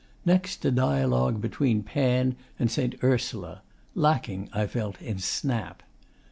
Next, a dialogue between Pan and St. Ursula lacking, I felt, in 'snap.